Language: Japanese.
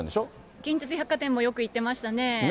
近鉄百貨店もよく行ってましたね。